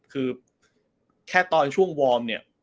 คือแค่ตอนช่วงวอมเนย